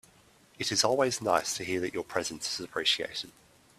It is always nice to hear that your presence is appreciated.